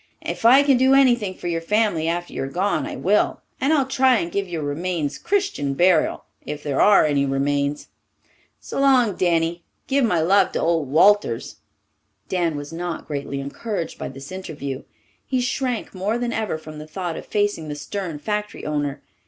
If I can do anything for your family after you're gone, I will, and I'll try and give your remains Christian burial if there are any remains. So long, Danny! Give my love to old Walters!" Dan was not greatly encouraged by this interview. He shrank more than ever from the thought of facing the stern factory owner.